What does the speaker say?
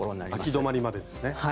あき止まりまでですね。